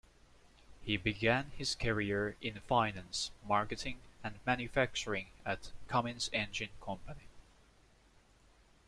He began his career in finance, marketing, and manufacturing at Cummins Engine Company.